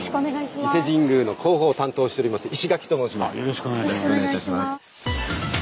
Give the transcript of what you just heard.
伊勢神宮の広報を担当しております石垣と申します。